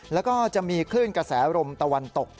แล้วก็จะมีคลื่นกระแสลมตะวันตก